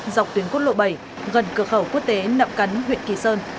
dọc tuyến quốc lộ bảy gần cửa khẩu quốc tế nậm cắn huyện kỳ sơn